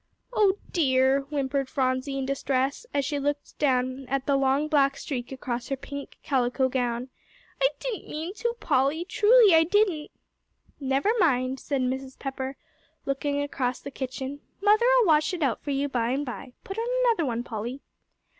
"O dear!" whimpered Phronsie, in distress, as she looked down at the long black streak across her pink calico gown. "I didn't mean to, Polly; truly, I didn't." "Never mind," said Mrs. Pepper, looking across the kitchen; "Mother'll wash it out for you by and by. Put on another one, Polly."